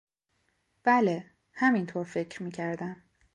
بله، همین طور فکر میکردم.